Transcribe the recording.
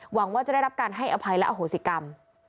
หวังว่าจะได้รับการให้อภัยและอโหสิกรรม